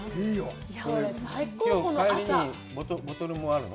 これ、帰りにボトルもあるの？